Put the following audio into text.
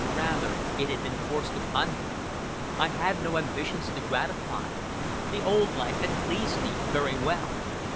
Rather it had been forced upon me. I had no ambitions to gratify; the old life had pleased me very well.